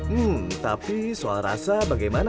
hmm tapi soal rasa bagaimana